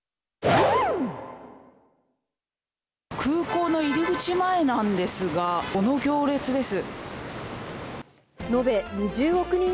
空港の入り口前なんですが、この行列です。